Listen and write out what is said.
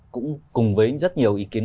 cũng cùng với rất nhiều ý kiến